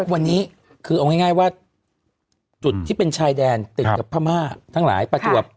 วันนี้คือเอาง่ายว่าจุดที่เป็นชายแดนเต็มแต่ผ้ามาทั้งหลายปลาตรวบ